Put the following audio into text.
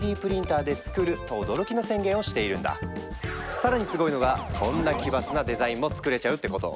更にすごいのがこんな奇抜なデザインもつくれちゃうってこと！